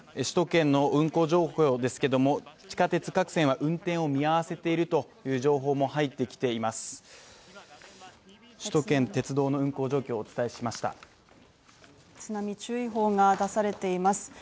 首都圏の運行情報ですけども、地下鉄各線は運転を見合わせているという情報も入ってきています。